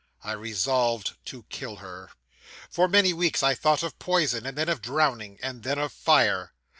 I resolved to kill her. 'For many weeks I thought of poison, and then of drowning, and then of fire.